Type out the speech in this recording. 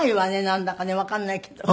なんだかねわかんないけど。